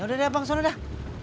ya udah deh bang soalnya udah